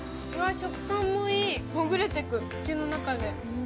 食感もいい、ほぐれてく、口の中で。